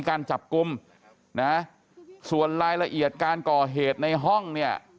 การจับกลุ่มนะส่วนรายละเอียดการก่อเหตุในห้องเนี่ย